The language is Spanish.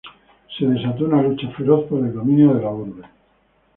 Se desató una lucha feroz por el dominio de la urbe.